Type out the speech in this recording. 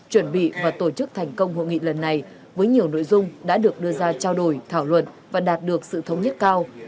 chuẩn bị và tổ chức thành công hội nghị lần này với nhiều nội dung đã được đưa ra trao đổi thảo luận và đạt được sự thống nhất cao